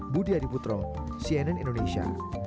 budi adiputro cnn indonesia